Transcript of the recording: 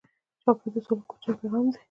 چاکلېټ د سولې کوچنی پیغام دی.